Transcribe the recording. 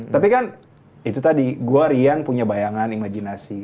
tapi kan itu tadi gue riang punya bayangan imajinasi